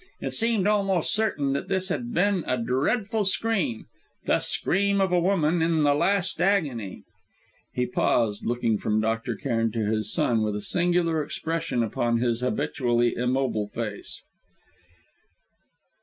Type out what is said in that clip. It seemed almost certain that this had been a dreadful scream the scream of a woman in the last agony." He paused, looking from Dr. Cairn to his son, with a singular expression upon his habitually immobile face.